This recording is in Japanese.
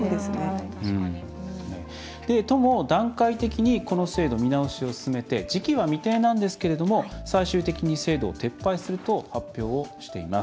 都も段階的にこの制度の見直しを進めて時期は未定なんですけれども最終的に制度を撤廃すると発表しています。